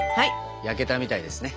焼けたみたいですね。